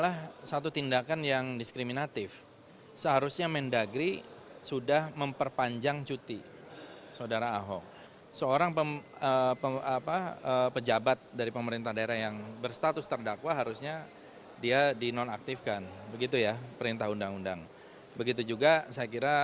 harusnya secara kronologis